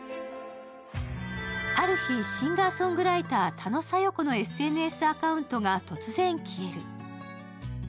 ある日、シンガーソングライター多野小夜子のＳＮＳアカウントが突然、消える。